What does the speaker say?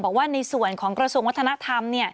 บอกว่าในส่วนของกระทรวงวัฒนธรรม